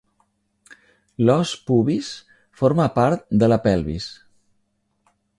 L'os pubis forma part de la pelvis.